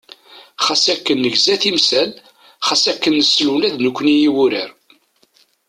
Xas akken negza timsal, xas akken nessen ula d nekkni i wurar.